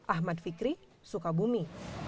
ahmad fikri sukabumi